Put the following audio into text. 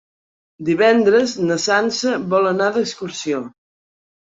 Divendres na Sança vol anar d'excursió.